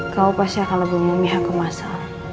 kau pasti akan lebih umumnya aku masa